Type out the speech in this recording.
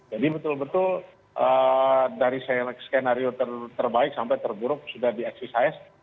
jadi betul betul dari skenario terbaik sampai terburuk sudah diakses